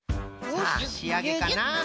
さあしあげかな？